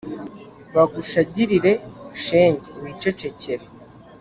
bagushagirire shenge, wicecekere